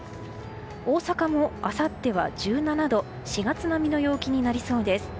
大阪もあさっては１７度４月並みの陽気になりそうです。